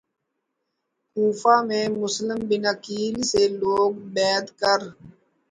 کوفہ میں Muslim bin Aqeel سے لوگ بیعت کر